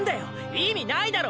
意味ないだろ！！